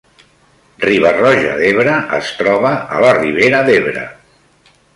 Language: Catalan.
Riba-roja d’Ebre es troba a la Ribera d’Ebre